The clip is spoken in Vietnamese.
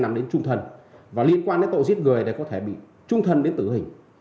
hai mươi năm đến trung thân và liên quan đến tội giết người thì có thể bị trung thân đến tử hình